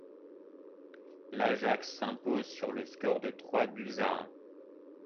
L'Ajax s'impose sur le score de trois buts à un.